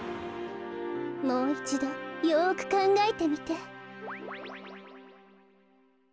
もういちどよくかんがえてみて。